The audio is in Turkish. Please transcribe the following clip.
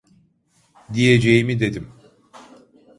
Diyeceğimi dedim.